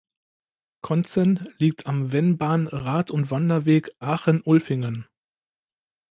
Konzen liegt am Vennbahn Rad- und Wanderweg Aachen-Ulflingen.